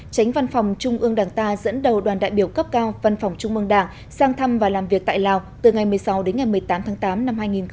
tránh văn phòng trung ương đảng ta dẫn đầu đoàn đại biểu cấp cao văn phòng trung mương đảng sang thăm và làm việc tại lào từ ngày một mươi sáu đến ngày một mươi tám tháng tám năm hai nghìn một mươi chín